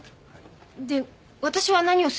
で私は何をすれば？